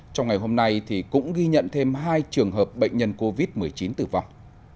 trong ngày hôm nay cũng ghi nhận thêm hai trường hợp bệnh nhân covid một mươi chín tử vong